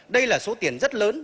đây là số tiền rất lớn